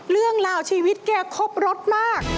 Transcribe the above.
เรื่องราวชีวิตแกครบรสมาก